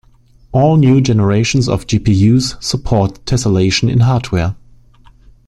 All new generations of GPUs support tesselation in hardware.